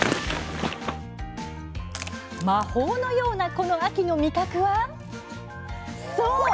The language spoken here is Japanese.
魔法のようなこの秋の味覚はそう！